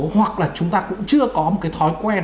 hoặc là chúng ta cũng chưa có một cái thói quen